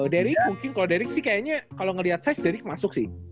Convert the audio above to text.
derick mungkin kalo derick sih kayaknya kalo ngeliat size derick masuk sih